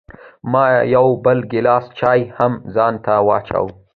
ما یو بل ګیلاس چای هم ځان ته واچوه.